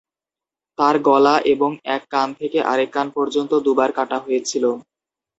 তার গলা এবং এক কান থেকে আরেক কান পর্যন্ত দুবার কাটা হয়েছিল।